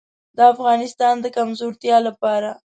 د افغانستان د کمزورتیا لپاره.